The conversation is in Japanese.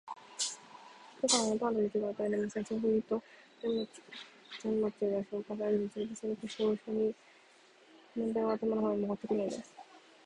三日間は、パンと水しか与えません。そうすると、煎餅が消化されるにつれて、それと一しょに問題は頭の方へ上ってゆくというのです。